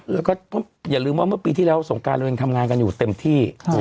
แล้วก็อย่าลืมว่าเมื่อปีที่แล้วสงการเรายังทำงานกันอยู่เต็มที่